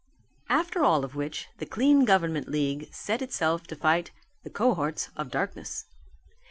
After all of which the Clean Government League set itself to fight the cohorts of darkness.